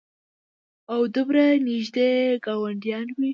او دومره نېږدې ګاونډيان وي